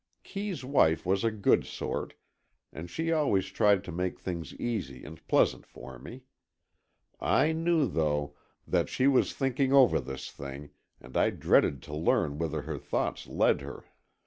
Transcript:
Kee's wife was a good sort, and she always tried to make things easy and pleasant for me. I knew, though, that she was thinking over this thing, and I dreaded to learn whither her thoughts led her.